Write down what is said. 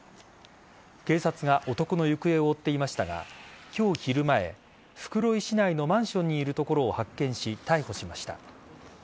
警察が男の行方を追っていましたが今日昼前、袋井市内のマンションにいるところを発見し逮捕しました。